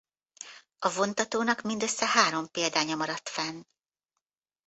A vontatónak mindössze három példánya maradt fenn.